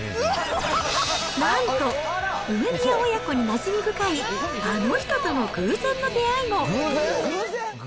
なんと、梅宮親子になじみ深いあの人との偶然の出会いも。